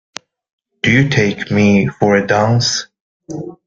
Do you take me for a dunce?